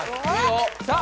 さあ